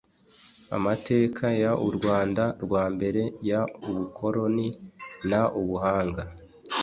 amateka y u rwanda rwa mbere y ubukoroni n ubuhanga